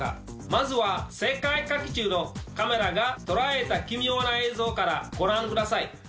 まずは世界各地のカメラが捉えた奇妙な映像からご覧ください。